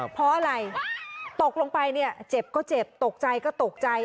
เพราะอะไรตกลงไปเนี่ยเจ็บก็เจ็บตกใจก็ตกใจ